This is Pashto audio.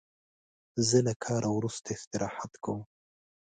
زه له کاره وروسته استراحت کوم.